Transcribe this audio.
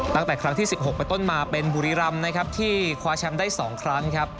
ตั้งแต่ครั้งที่๑๖ไปต้นมาเป็นบุรีรำนะครับที่คว้าแชมป์ได้๒ครั้งครับ